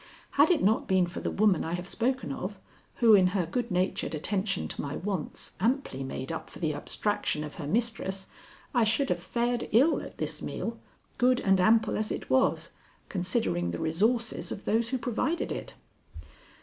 Had it not been for the woman I have spoken of, who in her good natured attention to my wants amply made up for the abstraction of her mistress, I should have fared ill at this meal, good and ample as it was, considering the resources of those who provided it.